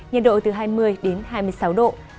nhiệt độ từ hai mươi đến hai mươi sáu độ